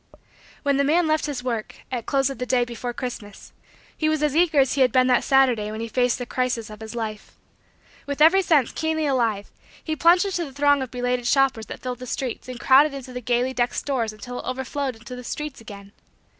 When the man left his work, at close of the day before Christmas, he was as eager as he had been that Saturday when he faced the crisis of his life. With every sense keenly alive, he plunged into the throng of belated shoppers that filled the streets and crowded into the gaily decked stores until it overflowed into the streets again.